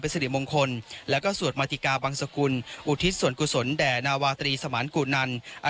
สิริมงคลแล้วก็สวดมาติกาบังสกุลอุทิศส่วนกุศลแด่นาวาตรีสมานกูนัน